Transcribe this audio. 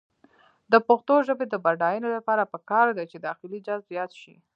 د پښتو ژبې د بډاینې لپاره پکار ده چې داخلي جذب زیات شي.